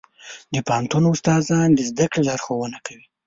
د پوهنتون استادان د زده کړې لارښوونه کوي.